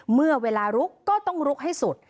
เมื่อเวลาลุกก็ต้องลุกให้สุด